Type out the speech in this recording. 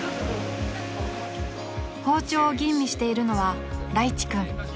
［包丁を吟味しているのはらいち君］